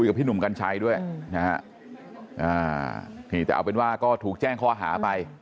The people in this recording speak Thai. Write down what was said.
กับพี่หนุ่มกัญชัยด้วยนะฮะนี่แต่เอาเป็นว่าก็ถูกแจ้งข้อหาไป